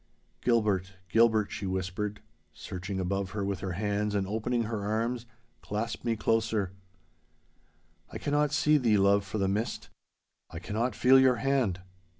'Gilbert, Gilbert,' she whispered, searching above her with her hands and opening her arms, 'clasp me closer. I cannot see thee, love, for the mist. I cannot feel your hand.